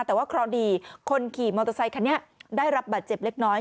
แต่ว่าข้อดีคนขี่มอเตอร์ไซค์คันนี้ได้รับบัตรเจ็บเล็กน้อย